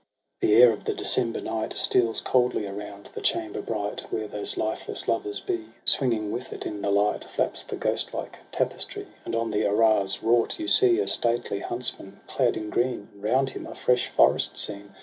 The air of the December night Steals coldly around the chamber bright. Where those lifeless lovers be. Swinging with it, in the light Flaps the ghostlike tapestry. And on the arras wrought you see A stately Huntsman, clad in green, And round him a fresh forest scene.